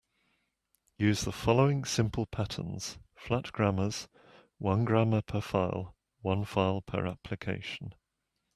Use the following simple patterns: flat grammars, one grammar per file, one file per application.